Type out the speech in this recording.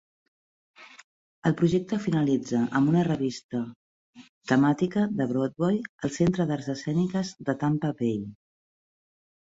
El projecte finalitza amb una revista temàtica de Broadway al Centre d'Arts Escèniques de Tampa Bay.